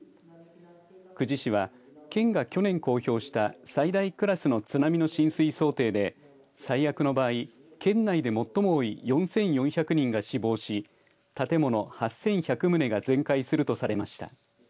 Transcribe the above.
久慈市は県が去年公表した最大クラスの津波の浸水想定で最悪の場合、県内で最も多い４４００人が死亡し建物８１００棟が全壊するとされました。